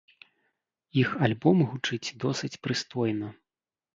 Іх альбом гучыць досыць прыстойна.